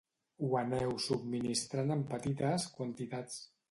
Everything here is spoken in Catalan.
Ho aneu subministrant en petites quantitats.